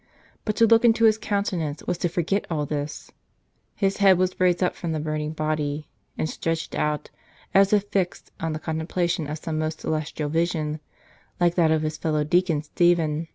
But to look into his countenance was to forget all this. His head was raised up from the burning body, and stretched out, as if fixed on the contemplation of some most celestial vision, like that of his fellow deacon Stephen.